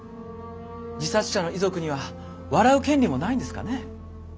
自殺者の遺族には笑う権利もないんですかね。